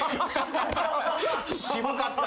渋かった。